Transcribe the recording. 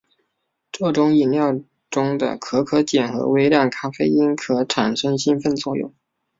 这种饮料中的可可碱和微量咖啡因可产生兴奋作用。